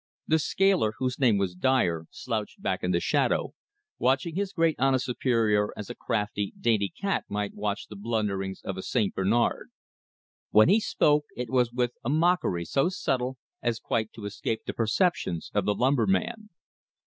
The scaler, whose name was Dyer, slouched back in the shadow, watching his great honest superior as a crafty, dainty cat might watch the blunderings of a St. Bernard. When he spoke, it was with a mockery so subtle as quite to escape the perceptions of the lumberman.